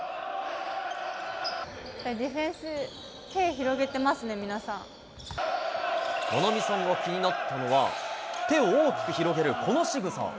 ディフェンス、手広げてます菜波さんが気になったのが、手を大きく広げるこのしぐさ。